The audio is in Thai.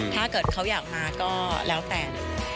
ถ้าเกิดเขาอยากมาก็แล้วแต่